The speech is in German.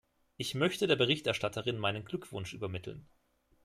Ich möchte der Berichterstatterin meinen Glückwunsch übermitteln.